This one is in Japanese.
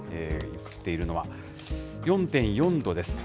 映っているのは４．４度です。